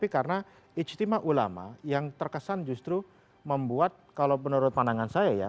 karena istimewa ulama yang terkesan justru membuat kalau menurut pandangan saya ya